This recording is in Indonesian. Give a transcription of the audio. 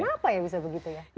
kenapa ya bisa begitu ya